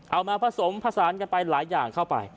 เอามาผสมผสานกันไปหลายอย่างเข้าไป